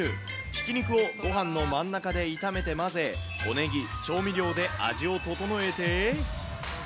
ひき肉をごはんの真ん中で炒めて混ぜ、小ネギ、調味料で味を調えて。